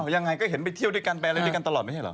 ยังไงก็เห็นไปเที่ยวด้วยกันไปอะไรด้วยกันตลอดไม่ใช่เหรอ